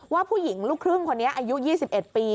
ว่าผู้หญิงลูกครึ่งคนนี้อายุ๒๑ปี